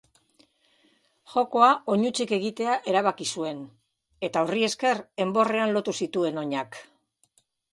Jokoa oinutsik egitea erabaki zuen, eta horri esker enborrean lotu zituen oinak.